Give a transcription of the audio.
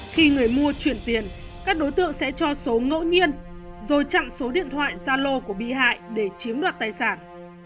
khi người mua chuyển tiền các đối tượng sẽ cho số ngẫu nhiên rồi chặn số điện thoại gia lô của bị hại để chiếm đoạt tài sản